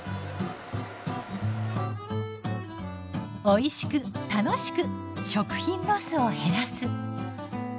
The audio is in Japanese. おいしく楽しく食品ロスを減らす。